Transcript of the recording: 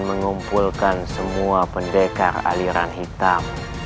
mengumpulkan semua pendekar aliran hitam